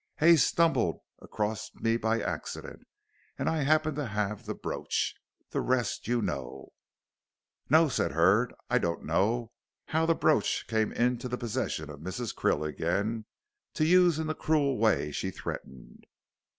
Hay stumbled across me by accident, and I happened to have the brooch. The rest you know." "No," said Hurd, "I don't know how the brooch came into the possession of Mrs. Krill again, to use in the cruel way she threatened."